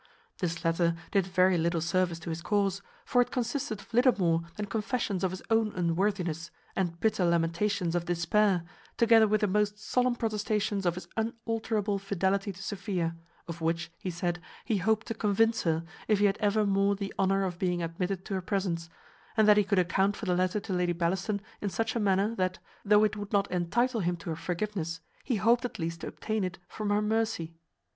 This letter did very little service to his cause; for it consisted of little more than confessions of his own unworthiness, and bitter lamentations of despair, together with the most solemn protestations of his unalterable fidelity to Sophia, of which, he said, he hoped to convince her, if he had ever more the honour of being admitted to her presence; and that he could account for the letter to Lady Bellaston in such a manner, that, though it would not entitle him to her forgiveness, he hoped at least to obtain it from her mercy.